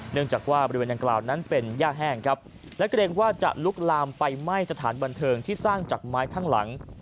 เนื่องจากว่าบริเวณดังกล่าวนั้นเป็นย่าแห้งครับและเกรงว่าจะลุกลามไปไหม้สถานบันเทิงที่สร้างจากไม้ข้างหลัง